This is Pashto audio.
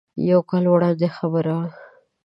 یو کال وړاندې خبر و.